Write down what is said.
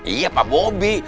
iya pak bobi